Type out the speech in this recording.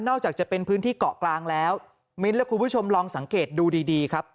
จากจะเป็นพื้นที่เกาะกลางแล้วมิ้นท์และคุณผู้ชมลองสังเกตดูดีดีครับ